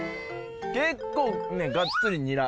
結構ねがっつりニラ。